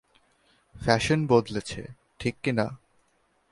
Fashion বদলেছে, ঠিক কিনা?